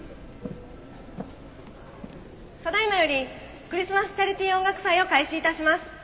ただ今よりクリスマスチャリティー音楽祭を開始致します。